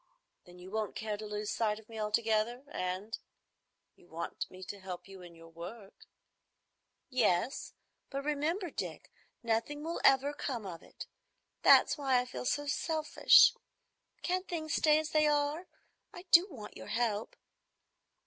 Then you won't care to lose sight of me altogether, and—you want me to help you in your work?" "Yes; but remember, Dick, nothing will ever come of it. That's why I feel so selfish. Can't things stay as they are? I do want your help."